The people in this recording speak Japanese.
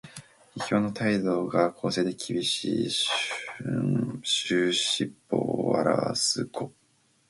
批評の態度が公正できびしい「春秋筆法」を表す語。